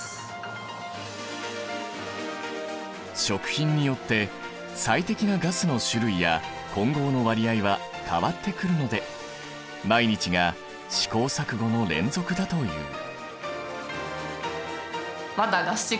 食品によって最適なガスの種類や混合の割合は変わってくるので毎日が試行錯誤の連続だという。